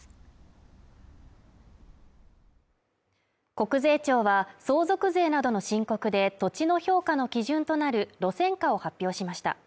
国税庁は、相続税などの申告で土地の評価の基準となる路線価を発表しました。